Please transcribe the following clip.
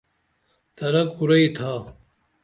ترہ کُرئی تھا؟